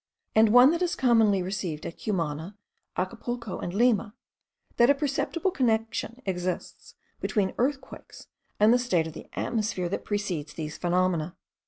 and one that is commonly received at Cumana, Acapulco, and Lima, that a perceptible connection exists between earthquakes and the state of the atmosphere that precedes those phenomena.